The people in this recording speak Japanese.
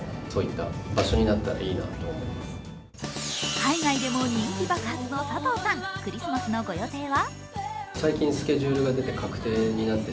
海外でも人気爆発の佐藤さん、クリスマスのご予定は？